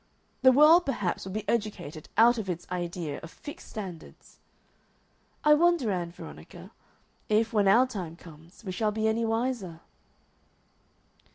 The world, perhaps, will be educated out of its idea of fixed standards.... I wonder, Ann Veronica, if, when our time comes, we shall be any wiser?"